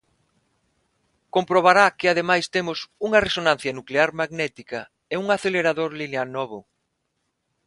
Comprobará que ademais temos unha resonancia nuclear magnética e un acelerador lineal novo.